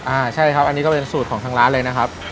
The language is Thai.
อ่าใช่ครับอันนี้ก็เป็นสูตรของทางร้านเลยนะครับ